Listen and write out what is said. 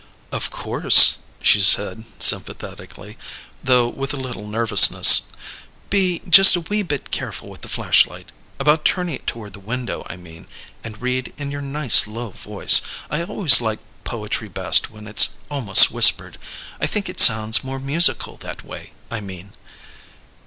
"Of course," she said sympathetically, though with a little nervousness. "Be just a wee bit careful with the flashlight about turning it toward the window, I mean and read in your nice low voice. I always like poetry best when it's almost whispered. I think it sounds more musical that way, I mean."